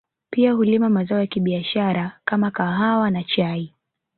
Pia hulima mazao ya biashara kama kahawa na chai